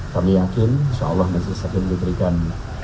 kami yakin insya allah majelis hakim diberikan